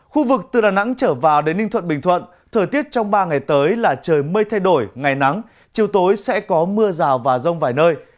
khu vực từ đà nẵng trở vào đến ninh thuận bình thuận thời tiết trong ba ngày tới là trời mây thay đổi ngày nắng chiều tối sẽ có mưa rào và rông vài nơi